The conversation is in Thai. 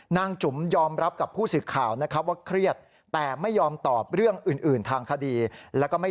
นางจุ๋มยอมรับกับผู้สื่อข่าวว่าเครียดแต่มายอมตอบเรื่องอื่นทางคดี